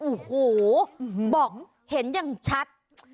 โอ้โหบอกเห็นอย่างชัด